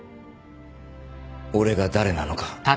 俺が誰なのか。